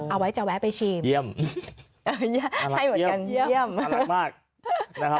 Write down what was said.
เอาไว้จะแวะไปชิมเยี่ยมให้หมดกันเยี่ยมอร่อยมาก